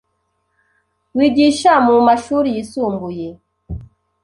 wigisha mu mashuri yisumbuye,